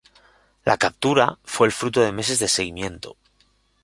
La captura fue el fruto de meses de seguimiento.